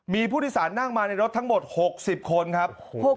มีผู้โดยสารนั่งมาในรถทั้งหมด๖๐คนครับ